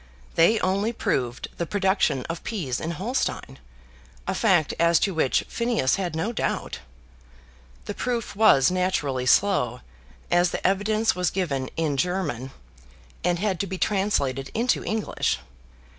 They only proved the production of peas in Holstein, a fact as to which Phineas had no doubt. The proof was naturally slow, as the evidence was given in German, and had to be translated into English.